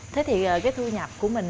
thế thì cái thu nhập của mình